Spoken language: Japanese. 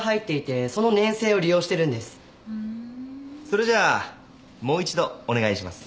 それじゃあもう一度お願いします。